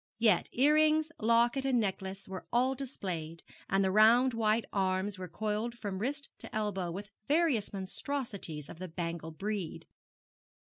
Yet earrings, locket, and necklace were all displayed, and the round white arms were coiled from wrist to elbow with various monstrosities of the bangle breed.